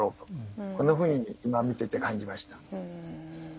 こんなふうに今、見ていて感じました。